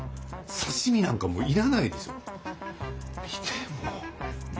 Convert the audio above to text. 刺身なんかもう要らないでしょ。